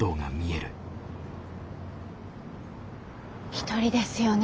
１人ですよね？